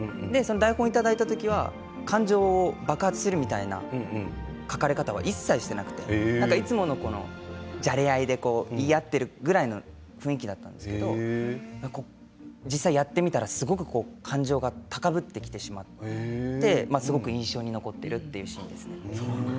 台本いただいた時は感情爆発するみたいな書かれ方は一切していなくていつものじゃれ合いで言い合っているみたいな雰囲気だったんですけれど実際にやってみたらすごく感情が高ぶってきてしまってすごく印象に残っているシーンですね。